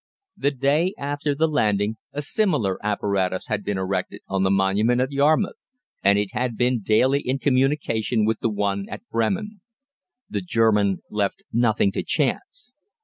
The day after the landing a similar apparatus had been erected on the Monument at Yarmouth, and it had been daily in communication with the one at Bremen. The German left nothing to chance.